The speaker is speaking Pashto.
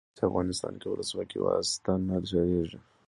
کله چې افغانستان کې ولسواکي وي واسطه نه چلیږي.